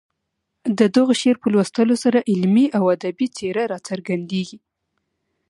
د دغه شعر په لوستلو سره علمي او ادبي څېره راڅرګندېږي.